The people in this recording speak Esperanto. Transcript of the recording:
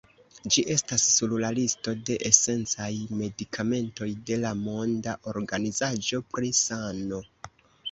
Ĝi estas sur la listo de esencaj medikamentoj de la Monda Organizaĵo pri Sano.